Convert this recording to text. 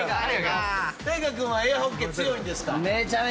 大河君はエアホッケー強いんですか？